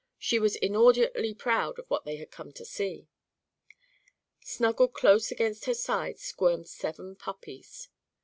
She was inordinately proud of what they had come to see. Snuggled close against her side squirmed seven puppies.